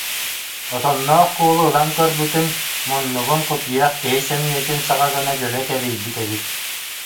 Отонноох куулу ылан көрбүтүм: муннугун кутуйах киһи сөмүйэтин саҕа гына дьөлө кэбийбит эбит